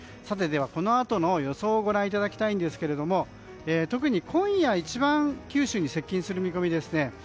このあとの予想をご覧いただきたいんですけれども特に今夜一番九州に接近する見込みですね。